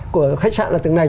của khách sạn là từng này